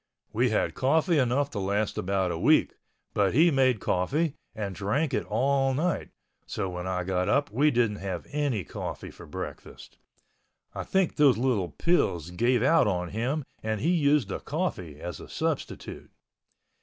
We had coffee enough to last about a week, but he made coffee and drank it all night, so when I got up we didn't have any coffee for breakfast. I think those little pills gave out on him and he used the coffee as a substitute.